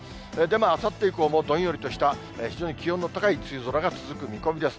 あさって以降も、どんよりとした非常に気温の高い梅雨空が続く見込みです。